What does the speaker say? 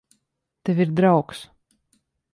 Tev ir draugs.